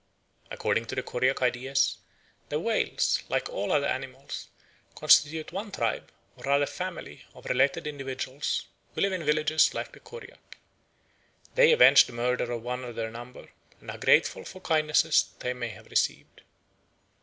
According to the Koryak ideas, the whales, like all other animals, constitute one tribe, or rather family, of related individuals, who live in villages like the Koryak. They avenge the murder of one of their number, and are grateful for kindnesses that they may have received."